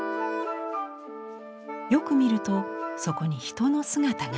よく見るとそこに人の姿が。